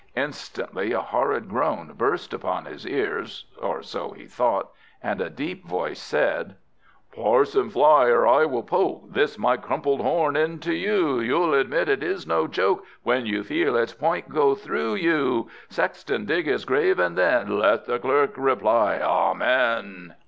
Instantly a horrid groan burst upon his ears (or so he thought), and a deep voice said "Parson, fly! or I will poke This my crumpled horn into you! You'll admit it is no joke When you feel its point go through you! Sexton, dig his grave, and then Let the Clerk reply, Amen!"